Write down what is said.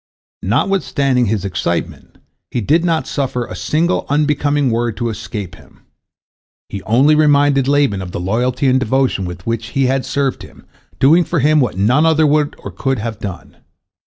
Notwithstanding his excitement, he did not suffer a single unbecoming word to escape him. He only reminded Laban of the loyalty and devotion with which he had served him, doing for him what none other would or could have done.